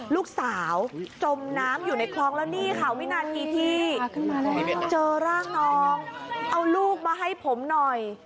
ลูกสาวจมน้ำอยู่ในคลองแล้วนี่ค่ะวินาทีที่เจอร่างน้องเอาลูกมาให้ผมหน่อย